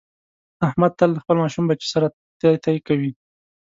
احمد تل له خپل ماشوم بچي سره تی تی کوي.